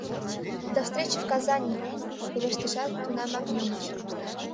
«До встречи в Казани!» — пелештышт, тунамак йомыч.